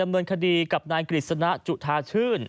มันเป็นคดีกับนายกลิสณะจุธาชื่น